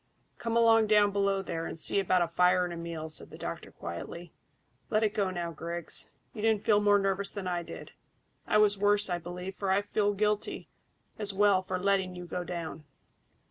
"Come along down below there, and see about a fire and a meal," said the doctor quietly. "Let it go now, Griggs. You didn't feel more nervous than I did. I was worse, I believe, for I felt guilty as well for letting you go down.